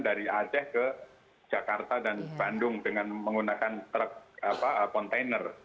dari aceh ke jakarta dan bandung dengan menggunakan truk kontainer